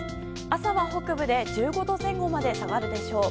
朝は、北部で１５度前後まで下がるでしょう。